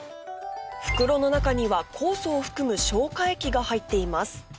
袋の中には酵素を含む消化液が入っています